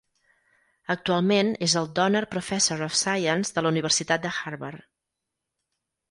Actualment, és el Donner Professor of Science de la Universitat de Harvard.